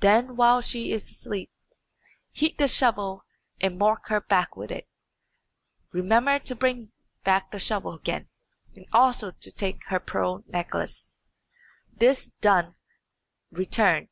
Then, while she is asleep, heat the shovel and mark her back with it. Remember to bring back the shovel again, and also to take her pearl necklace. This done, return.